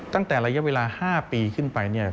ตั้งแต่ระยะเวลา๕ปีขึ้นไป